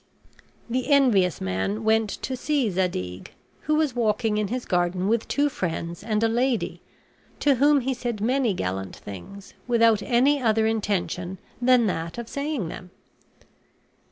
The envious man went to see Zadig, who was walking in his garden with two friends and a lady, to whom he said many gallant things, without any other intention than that of saying them.